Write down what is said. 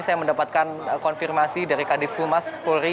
saya mendapatkan konfirmasi dari kadif humas polri